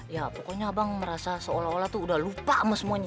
ya pokoknya abang merasa seolah olah tuh udah lupa sama semuanya